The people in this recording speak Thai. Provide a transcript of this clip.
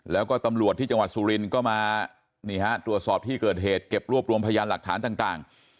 แล้วก็ตำรวจที่จังหวัดสุรินทร์ก็มานี่ฮะตรวจสอบที่เกิดเหตุเก็บรวบรวมพยานหลักฐานต่าง